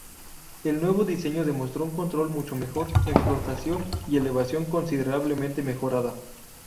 El nuevo diseño demostró un control mucho mejor en flotación y elevación considerablemente mejorada.